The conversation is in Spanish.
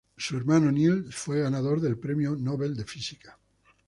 Su hermano Niels fue ganador del Premio Nobel de Física.